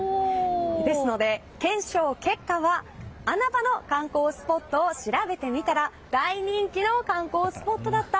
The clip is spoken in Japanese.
ですので、検証結果は穴場の観光スポットを調べてみたら大人気の観光スポットだった。